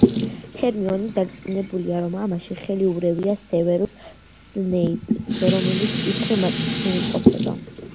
ჰერმიონი დარწმუნებულია, რომ ამაში ხელი ურევია სევერუს სნეიპს, რომელიც იქვე, მატჩზე იმყოფება.